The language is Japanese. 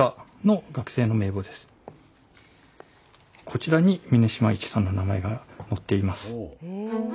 こちらに峯島一さんの名前が載っています。